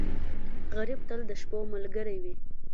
غریب تل د شپو ملګری وي